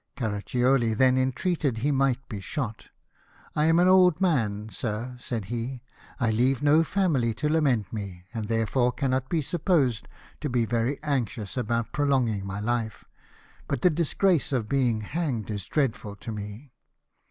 Caraccioli then entreated that he might be shot. " I am an old man, sir," said he ;" I leave no family to lament me, and therefore cannot be supposed to be very anxious about prolonging my life, but the disgrace of being hanged is dreadful to me."